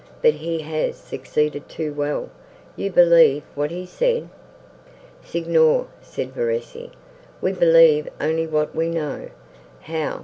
But he has succeeded too well; you believe what he said." "Signor," said Verezzi, "we believe only what we know."—"How!"